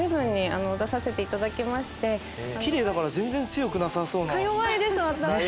きれいだから全然強くなさそうな。